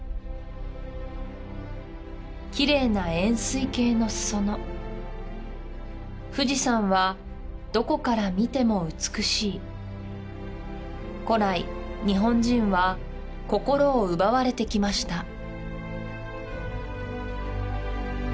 きれいな円すい形の裾野富士山はどこから見ても美しい古来日本人は心を奪われてきました